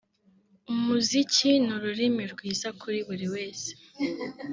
”Umuziki ni ururimi rwiza kuri buri wese